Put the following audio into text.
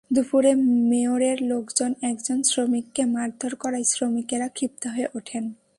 দুপুরে মেয়রের লোকজন একজন শ্রমিককে মারধর করায় শ্রমিকেরা ক্ষিপ্ত হয়ে ওঠেন।